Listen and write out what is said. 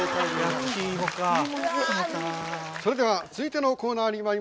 それでは続いてのコーナーにまいりましょう。